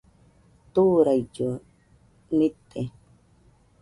Turaillu nite